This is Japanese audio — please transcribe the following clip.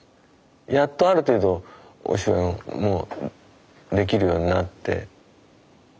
やっとある程度お芝居もできるようになって。